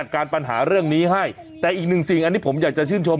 การปัญหาเรื่องนี้ให้แต่อีกหนึ่งสิ่งอันนี้ผมอยากจะชื่นชม